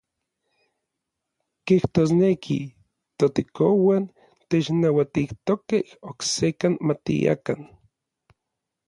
Kijtosneki ToTekouan technauatijtokej oksekan matiakan.